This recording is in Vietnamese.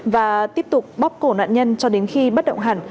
và tiếp tục bóc cổ nạn nhân cho đến khi bất động hẳn